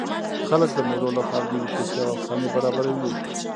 خلک د مېلو له پاره نوي کیسې او افسانې برابروي.